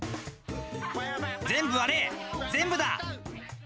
全部割れ、全部だ！